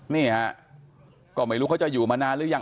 นี่ฮะก็ไม่รู้เขาจะอยู่มานานหรือยัง